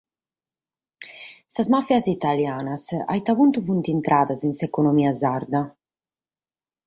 Sas màfias italianas a ite puntu sunt intradas in s’economia sarda?